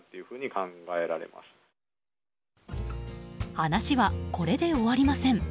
話はこれで終わりません。